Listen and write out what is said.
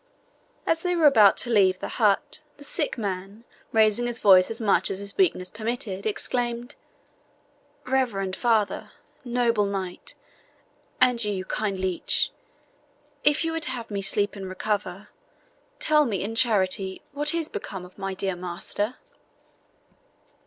As they were about to leave the hut, the sick man, raising his voice as much as his weakness permitted, exclaimed, "Reverend father, noble knight, and you, kind leech, if you would have me sleep and recover, tell me in charity what is become of my dear master?"